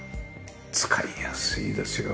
使いやすいですよ